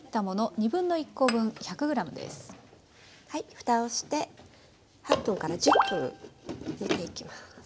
はいふたをして８分１０分煮ていきます。